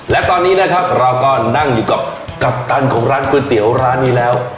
และตอนนี้นะครับเราก็นั่งอยู่กับกัปตันของร้านก๋วยเตี๋ยวร้านนี้แล้ว